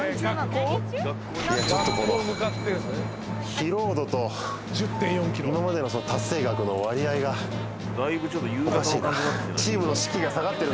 疲労度と今までの達成額の割合がおかしいな。